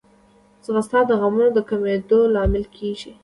ځغاسته د غمونو د کمېدو لامل کېږي